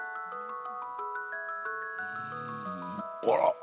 あら。